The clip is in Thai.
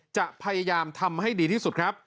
จะพยายามทำให้ดีที่สุดครับ